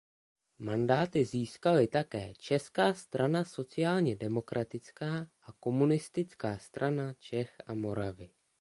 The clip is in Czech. Mandáty získaly také Česká strana sociálně demokratická a Komunistická strana Čech a Moravy.